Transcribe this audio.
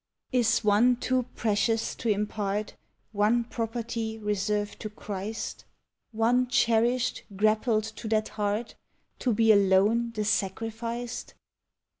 Is one too precious to impart, One property reserved to Christ? One, cherished, grappled to that heart? —To be alone the Sacrificed?